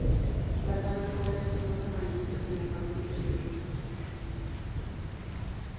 Las aves jóvenes son más amarillentas en la parte inferior.